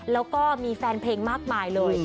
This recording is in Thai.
แล้วก็มีแฟนเพลงมากมายเลย